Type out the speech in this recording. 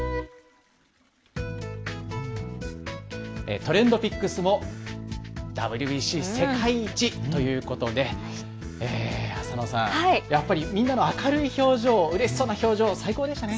ＴｒｅｎｄＰｉｃｋｓもＷＢＣ世界一ということで浅野さん、やっぱりみんなの明るい表情、うれしそうな表情、最高でしたね。